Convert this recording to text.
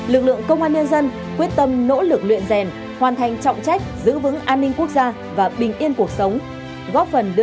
lực lượng công an nhân dân quyết tâm nỗ lực luyện rèn hoàn thành trọng trách giữ vững an ninh quốc gia và bình yên cuộc sống